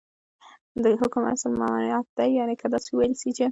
دحكم اصل ، ممانعت دى يعني كه داسي وويل سي چې